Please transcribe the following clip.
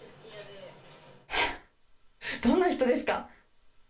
えっどんな人ですか？